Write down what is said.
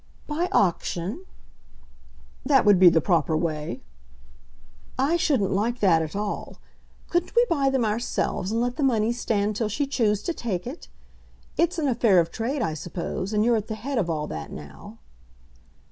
"By auction?" "That would be the proper way." "I shouldn't like that at all. Couldn't we buy them ourselves, and let the money stand till she choose to take it? It's an affair of trade, I suppose, and you're at the head of all that now."